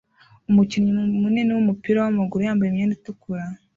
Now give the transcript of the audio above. Umukinnyi munini wumupira wamaguru wambaye imyenda itukura